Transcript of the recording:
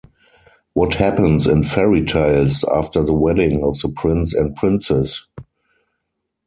What happens in fairy tales after the wedding of the prince and princess?